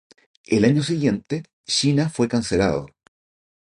El año siguiente, Sheena fue cancelado.